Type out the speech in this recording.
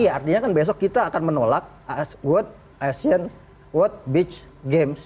ya artinya kan besok kita akan menolak world beach games